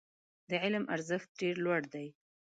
د علم ارزښت ډېر لوړ دی.